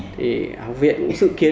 thì học viện cũng dự kiến